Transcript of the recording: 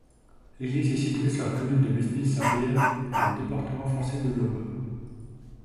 L'église est située sur la commune de Mesnil-Saint-Père, dans le département français de l'Aube.